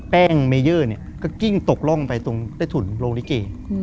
แป้งเมเยอร์เนี่ยก็กิ้งตกร่องไปตรงใต้ถุนโรงลิเก